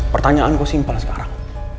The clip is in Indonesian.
pertanyaan gue simpel sekarang